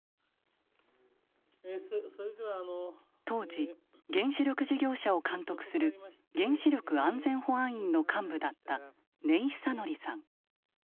当時原子力事業者を監督する原子力安全・保安院の幹部だった根井寿規さん。